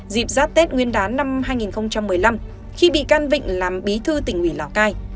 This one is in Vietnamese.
dịp giáp tết nguyên đán năm hai nghìn một mươi năm khi bị can vịnh làm bí thư tỉnh ủy lào cai